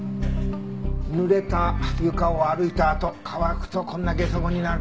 濡れた床を歩いたあと乾くとこんなゲソ痕になる。